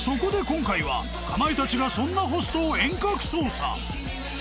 今回はかまいたちがそんなホストを遠隔操作！